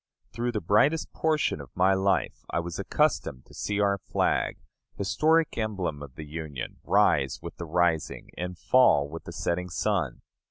Through the brightest portion of my life I was accustomed to see our flag, historic emblem of the Union, rise with the rising and fall with the setting sun.